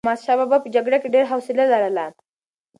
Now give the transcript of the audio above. احمدشاه بابا په جګړه کې ډېر حوصله لرله.